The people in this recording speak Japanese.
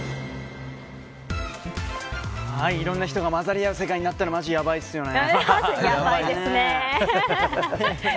いろんな人が混ざり合う世界になったらマジやばいですよね。